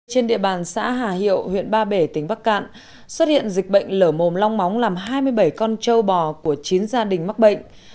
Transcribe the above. trên địa bàn xã hà hiệu huyện ba bể tỉnh bắc cạn xuất hiện dịch bệnh lở mồm long móng làm hai mươi bảy con châu bò của chín gia đình mắc bệnh